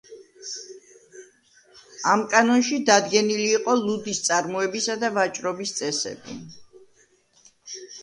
ამ კანონში დადგენილი იყო ლუდის წარმოებისა და ვაჭრობის წესები.